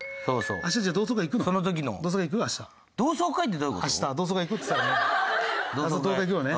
明日同窓会行くよね？